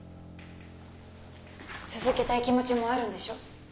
続けたい気持ちもあるんでしょ。